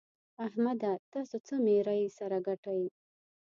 احمده! تاسو څه ميرۍ سره ګټئ؟!